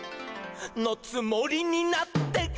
「のつもりになって」